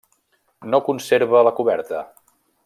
No conserva la coberta.